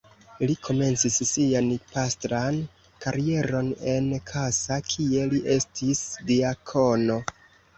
Li komencis sian pastran karieron en Kassa, kie li estis diakono.